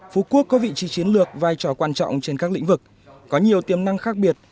phú quốc có vị trí chiến lược vai trò quan trọng trên các lĩnh vực có nhiều tiềm năng khác biệt